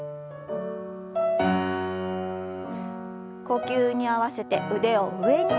呼吸に合わせて腕を上に。